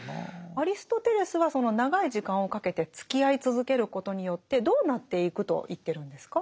アリストテレスはその長い時間をかけてつきあい続けることによってどうなっていくと言ってるんですか？